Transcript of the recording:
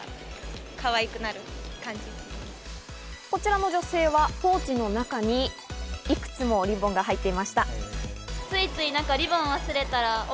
こちらの女性はポーチの中にいくつもリボンが入っていました。